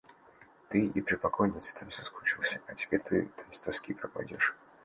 Ты и при покойнице там соскучился, а теперь ты там с тоски пропадешь.